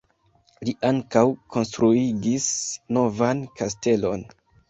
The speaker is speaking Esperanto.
Li ankaŭ konstruigis novan kastelon.